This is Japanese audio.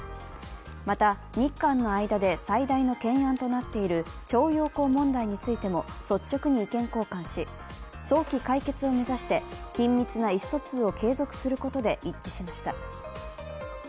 また、日韓の間で最大の懸案となっている徴用工問題についても率直に意見交換し、早期解決を目指して緊密な意思疎通を継続することで一致しました。